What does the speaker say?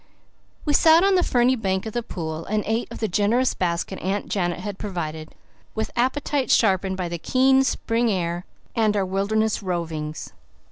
We sat on the ferny bank of the pool and ate of the generous basket Aunt Janet had provided, with appetites sharpened by the keen spring air and our wilderness rovings.